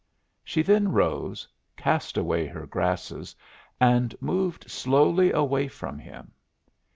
She then rose, cast away her grasses, and moved slowly away from him.